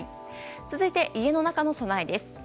続いて、家の中の備えです。